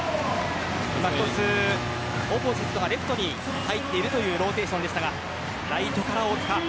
オポジットがレフトに入っているローテーションでしたがライトから大塚。